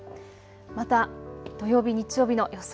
また土曜日、日曜日の予想